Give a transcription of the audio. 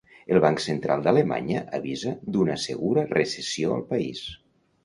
El banc central d'Alemanya avisa d'una segura recessió al país.